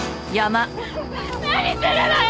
何するのよ！